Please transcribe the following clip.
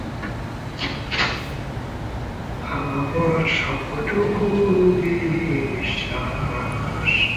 এই প্রজাতিটি বাগানের বাহারি উদ্ভিদ হিসেবে বাগানের জন্য লাগানো হয়ে থাকে।